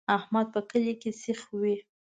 احمد په کلي سیخ وي.